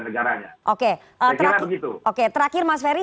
saya kira begitu oke terakhir mas ferry